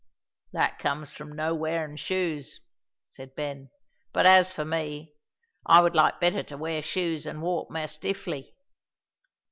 "That comes from no' wearin' shoes," said Ben; "but as for me, I would like better to wear shoes an' walk mair stiffly."